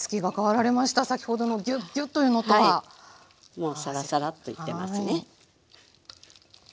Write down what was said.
もうサラサラッといってますね。